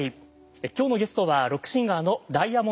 今日のゲストはロックシンガーのダイアモンドユカイさんです。